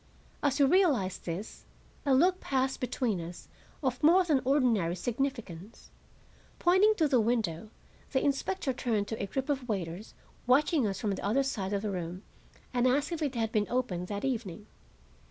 As we realized this, a look passed between us of more than ordinary significance. Pointing to the window, the inspector turned to a group of waiters watching us from the other side of the room and asked if it had been opened that evening.